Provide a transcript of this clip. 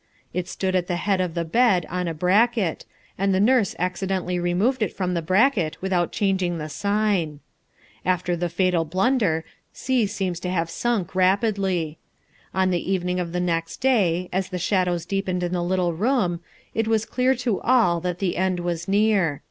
It stood at the head of the bed on a bracket, and the nurse accidentally removed it from the bracket without changing the sign. After the fatal blunder C seems to have sunk rapidly. On the evening of the next day, as the shadows deepened in the little room, it was clear to all that the end was near.